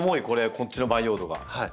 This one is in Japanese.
こっちの培養土が。